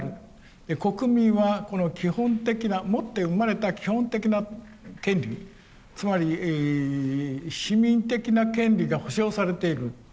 国民はこの基本的な持って生まれた基本的な権利つまり市民的な権利が保障されている。